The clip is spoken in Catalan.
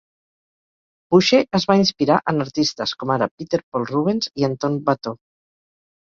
Boucher es va inspirar en artistes com ara Peter Paul Rubens i Antoine Watteau.